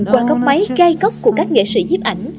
qua góc máy gai góc của các nghệ sĩ giếp ảnh